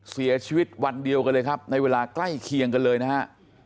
เสียชีวิตวันเดียวกันเลยครับในเวลาใกล้เคียงกันเลยนะฮะ